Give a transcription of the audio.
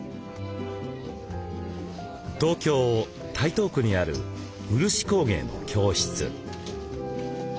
東京・台東区にある漆工芸の教室。